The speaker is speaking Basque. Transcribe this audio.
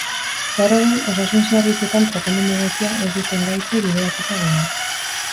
Gaur egun, osasun zerbitzuetan tratamendu egokia ez duten gaitzei bideratuta egongo da.